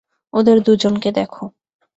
ওদের দুজনকে দেখো।